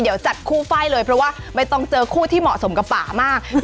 เดี๋ยวจัดคู่ไฟ่เลยเพราะว่าไม่ต้องเจอคู่ที่เหมาะสมกับป่ามาก